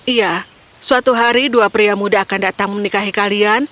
iya suatu hari dua pria muda akan datang menikahi kalian